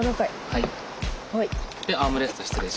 はい。